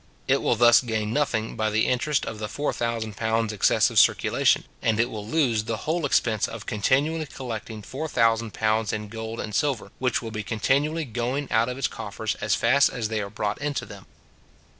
It will thus gain nothing by the interest of the four thousand pounds excessive circulation; and it will lose the whole expense of continually collecting four thousand pounds in gold and silver, which will be continually going out of its coffers as fast as they are brought into them.